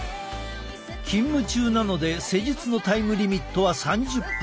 勤務中なので施術のタイムリミットは３０分。